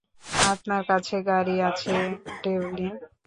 আপনার কাছে গাড়ি আছে ডেভলিন?